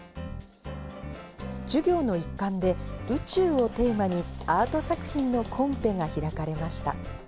授業の一環で、宇宙をテーマに、アート作品のコンペが開かれました。